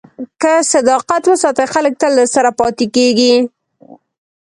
که صداقت وساتې، خلک تل درسره پاتې کېږي.